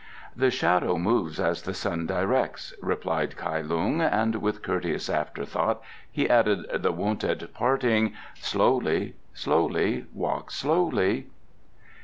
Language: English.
"The shadow moves as the sun directs," replied Kai Lung, and with courteous afterthought he added the wonted parting: "Slowly, slowly; walk slowly."